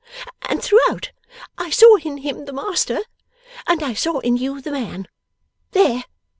And throughout I saw in him the master, and I saw in you the man There!